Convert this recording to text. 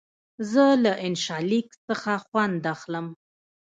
زه له انشا لیک څخه خوند اخلم.